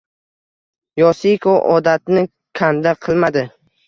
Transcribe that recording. Yosiko odatini kanda qilmadi